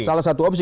salah satu opsi